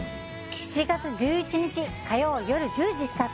７月１１日火曜夜１０時スタート